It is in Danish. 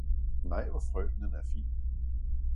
nej, hvor frøkenen er fin!